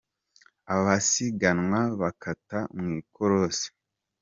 Abasiganwa bakata mu ikorosi.